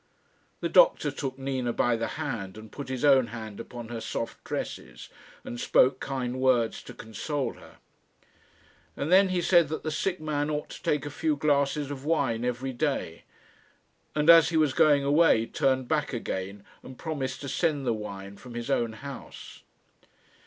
The doctor took Nina by the hand, and put his own hand upon her soft tresses, and spoke kind words to console her. And then he said that the sick man ought to take a few glasses of wine every day; and as he was going away, turned back again, and promised to send the wine from his own house.